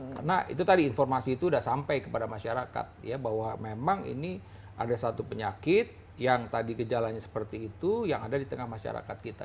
karena itu tadi informasi itu udah sampai kepada masyarakat ya bahwa memang ini ada satu penyakit yang tadi gejalanya seperti itu yang ada di tengah masyarakat kita